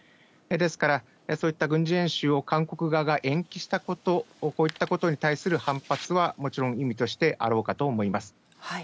ですから、そういった軍事演習を韓国側が延期したこと、こういったことに対する反発はもちろん意味としてあろうかと思います。